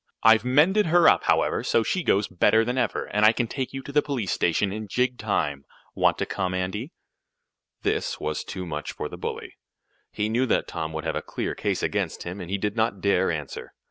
I've mended her up, however, so she goes better than ever, and I can take you to the police station in jig time. Want to come, Andy?" This was too much for the bully. He knew that Tom would have a clear case against him, and he did not dare answer.